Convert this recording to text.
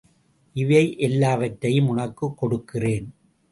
இவையெல்லாவற்றையும் உனக்குக் கொடுக்கிறேன்.